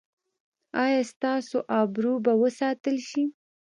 ایا ستاسو ابرو به وساتل شي؟